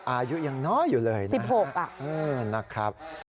อายุยังน้อยอยู่เลยนะสิบหกอ่ะอืมนะครับ